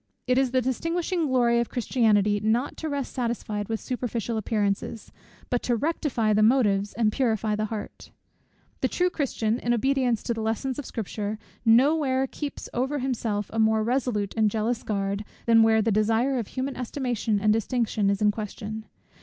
It is the distinguishing glory of Christianity not to rest satisfied with superficial appearances, but to rectify the motives, and purify the heart. The true Christian, in obedience to the lessons of Scripture, no where keeps over himself a more resolute and jealous guard, than where the desire of human estimation and distinction is in question.